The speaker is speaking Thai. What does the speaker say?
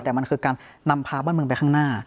แต่มันคือการนำพาบ้านเมืองไปข้างหน้า